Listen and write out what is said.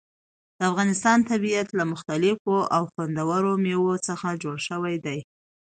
د افغانستان طبیعت له مختلفو او خوندورو مېوو څخه جوړ شوی دی.